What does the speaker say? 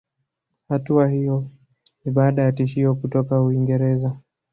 Hatua iyo ni baada ya tishio kutoka Uingereza